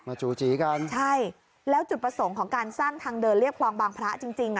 จู่จีกันใช่แล้วจุดประสงค์ของการสร้างทางเดินเรียบคลองบางพระจริงจริงอ่ะ